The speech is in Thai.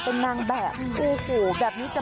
เป็นนางแบบอู้โห